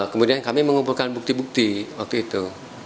kemudian kami mengumpulkan bukti bukti waktu itu